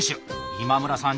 今村さん